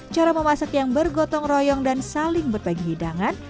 cara memasak yang bergotong royong dan saling berbagi hidangan